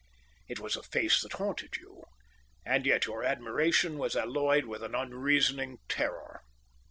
It was a face that haunted you, and yet your admiration was alloyed with an unreasoning terror.